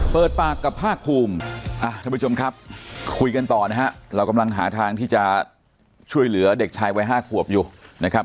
เปิดปากกับภาคภูมิท่านผู้ชมครับคุยกันต่อนะฮะเรากำลังหาทางที่จะช่วยเหลือเด็กชายวัย๕ขวบอยู่นะครับ